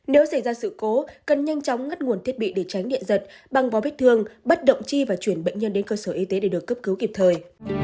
nếu xảy ra sự cố cần nhanh chóng ngất nguồn thiết bị để tránh điện giật băng vó vết thương bắt động chi và chuyển bệnh nhân đến cơ sở y tế để được cấp cứu kịp thời